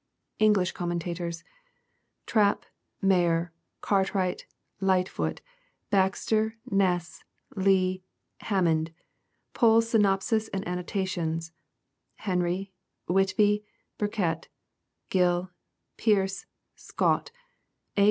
4. English Commentators, — Trapp, Mayer, Cart wright, Lightfoot, Baxter, Ness, Leigh, Hammond, Poole's Synopsis and Annotations, Henry, Whitby, Burkitt, Gill, Pearce, Scott, A.